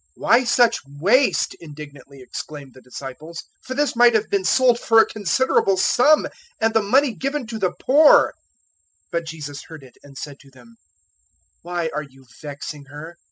026:008 "Why such waste?" indignantly exclaimed the disciples; 026:009 "for this might have been sold for a considerable sum, and the money given to the poor." 026:010 But Jesus heard it, and said to them, "Why are you vexing her?